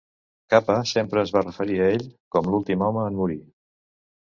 Capa sempre es va referir a ell com l'últim home en morir.